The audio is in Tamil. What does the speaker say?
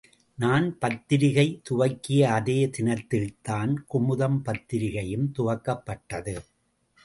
நான் பத்திரிக்கை துவக்கிய அதே தினத்தில்தான் குமுதம் பத்திரிக்கையும் துவக்கப்பட்டது.